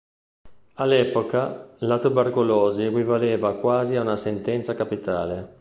All'epoca la tubercolosi equivaleva quasi a una sentenza capitale.